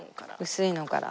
薄いのから。